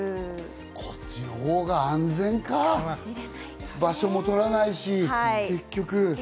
こっちのほうが安全か、場所もとらないし。